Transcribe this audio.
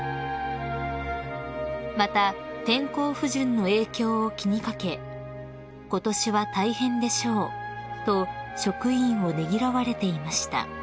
［また天候不順の影響を気に掛け「ことしは大変でしょう」と職員をねぎらわれていました］